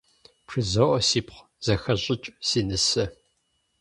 БжызоӀэ, сипхъу, зэхэщӀыкӀ, си нысэ.